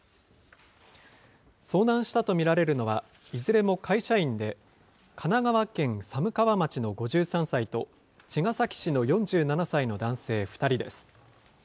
遭難したと見られるのは、いずれも会社員で、神奈川県寒川町の５３歳と、茅ヶ崎市の４７歳の男性２人です。